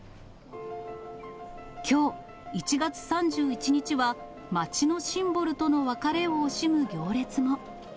きょう１月３１日は、町のシンボルとの別れを惜しむ行列も。